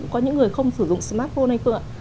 có những người không sử dụng smartphone hay cơ ạ